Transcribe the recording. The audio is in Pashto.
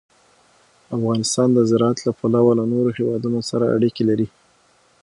افغانستان د زراعت له پلوه له نورو هېوادونو سره اړیکې لري.